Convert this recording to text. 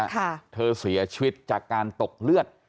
ค่ะเธอเสียชีวิตจากการตกเลือด